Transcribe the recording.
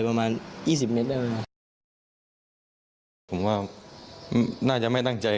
คิดว่ามีคนอีกแต่อาจจะไม่ตั้งใจ